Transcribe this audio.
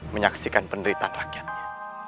menyaksikan penderitaan rakyatnya